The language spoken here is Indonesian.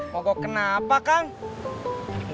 pokoknya kenapa kang